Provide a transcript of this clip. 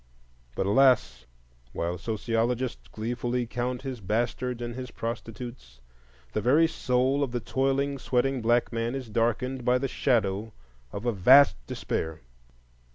But alas! while sociologists gleefully count his bastards and his prostitutes, the very soul of the toiling, sweating black man is darkened by the shadow of a vast despair.